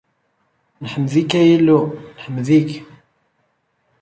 Neḥmed-ik, ay Illu, neḥmed-ik!